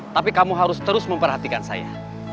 tapi kamu harus terus memperhatikan saya